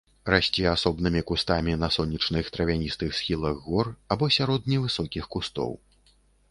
Расце асобнымі кустамі на сонечных травяністых схілах гор або сярод невысокіх кустоў.